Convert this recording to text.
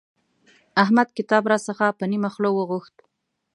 احمد کتاب راڅخه په نيمه خوله وغوښت.